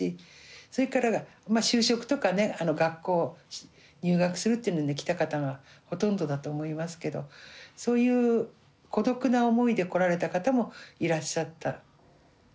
それから就職とかね学校入学するっていうので来た方がほとんどだと思いますけどそういう孤独な思いで来られた方もいらっしゃった。